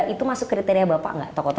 itu masuk kriteria bapak nggak tokoh tokoh